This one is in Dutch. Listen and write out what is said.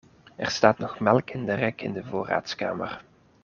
Er staat nog melk in de rek in de voorraadkamer.